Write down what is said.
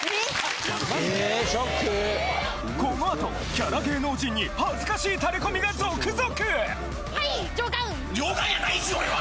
キャラ芸能人に恥ずかしいタレコミが続々！